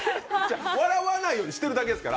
笑わないようにしてるだけですから。